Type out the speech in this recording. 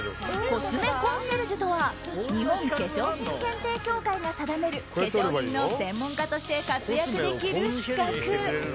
コスメコンシェルジュとは日本化粧品検定協会が定める化粧品の専門家として活躍できる資格。